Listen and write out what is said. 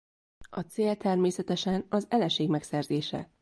A cél természetesen az eleség megszerzése.